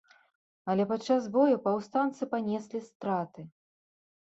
Але падчас бою паўстанцы панеслі страты.